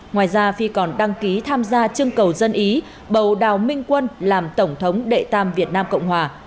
ngoài ra phi còn đăng ký tham gia chương cầu dân ý bầu đào minh quân làm tổng thống đệ tam việt nam cộng hòa